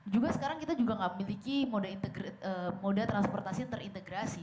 juga sekarang kita juga tidak memiliki mode transportasi terintegrasi